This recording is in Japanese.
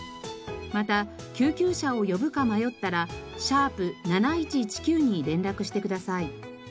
また救急車を呼ぶか迷ったら♯７１１９に連絡してください。